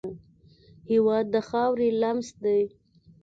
هېواد د خاورې لمس دی.